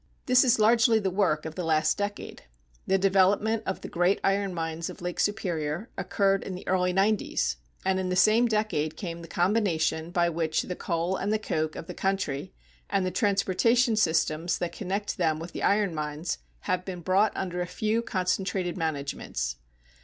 This is largely the work of the last decade. The development of the greatest iron mines of Lake Superior occurred in the early nineties, and in the same decade came the combination by which the coal and the coke of the country, and the transportation systems that connect them with the iron mines, have been brought under a few concentrated managements.